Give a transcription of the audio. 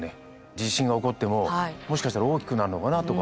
地震が起こってももしかしたら大きくなるのかなとか。